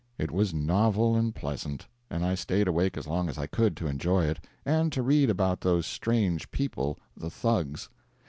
It was novel and pleasant, and I stayed awake as long as I could, to enjoy it, and to read about those strange people the Thugs.